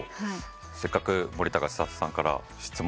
せっかく森高千里さんから質問をね。